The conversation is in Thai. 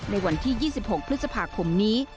ในวันที่๒๖พฤษภาคมนี้